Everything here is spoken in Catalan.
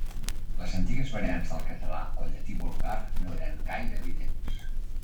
Les antigues variants del català o llatí vulgar no eren gaire evidents.